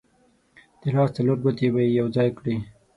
د لاس څلور ګوتې به یې یو ځای کړې.